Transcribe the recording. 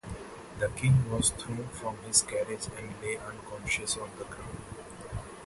The king was thrown from his carriage and lay unconscious on the ground.